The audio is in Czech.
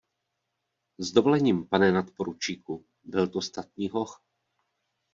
S dovolením, pane nadporučíku, byl to statný hoch.